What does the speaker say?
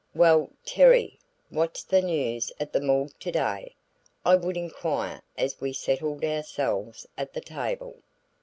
"Well, Terry, what's the news at the morgue today?" I would inquire as we settled ourselves at the table.